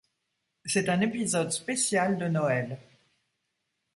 C'est un épisode spécial de Noël.